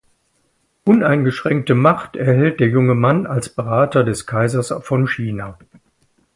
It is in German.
Uneingeschränkte Macht erhält der junge Mann als Berater des Kaisers von China.